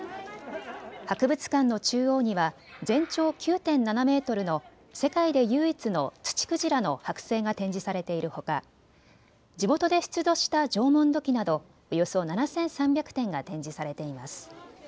博物館の中央には全長９．７メートルの世界で唯一のツチクジラの剥製が展示されているほか地元で出土した縄文土器などおよそ７３００点が展示されています。